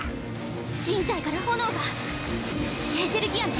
人体から炎がエーテルギアね。